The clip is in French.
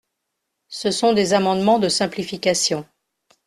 Ce sont des amendements de simplification.